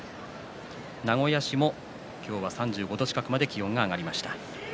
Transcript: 名古屋市も今日は３５度近くまで気温が上がりました。